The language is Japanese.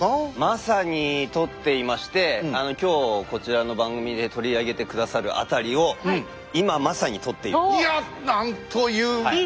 まさに撮っていまして今日こちらの番組で取り上げて下さる辺りを今まさに撮っているところですね。